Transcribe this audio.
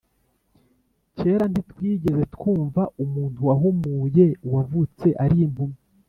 kera ntitwigeze twumva umuntu wahumuye uwavutse ari impumyi